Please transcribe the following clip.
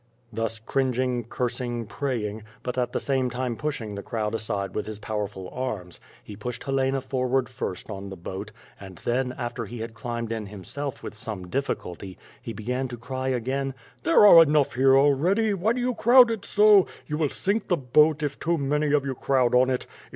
Thus cringing, cursing, praying, but at the same time push ing the crowd aside with his powerful arms, he pushed Hel ena forward first on the boat, and then, after he had climbed in himself with some difficulty, he began to cry again: "There are enough here already! Why do you crowd so, you will sink the boat if too many of you crowd on it.